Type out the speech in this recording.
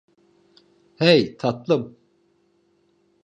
Hey, tatlım!